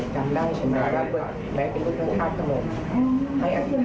จำได้จำได้และแบบแม้เป็นคนท่านขนม